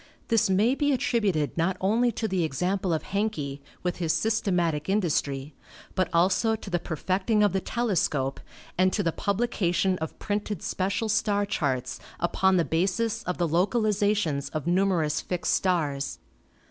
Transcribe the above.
This may be attributed not only to the example of Hencke, with his systematic industry, but also to the perfecting of the telescope and to the publication of printed special star charts upon the basis of the localizations of numerous fixed stars.